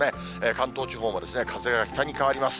関東地方も風が北に変わります。